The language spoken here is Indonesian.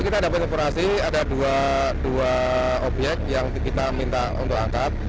kita dapat informasi ada dua obyek yang kita minta untuk angkat